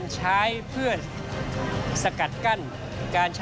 ส่วนต่างกระโบนการ